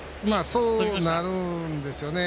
そうなるんですよね。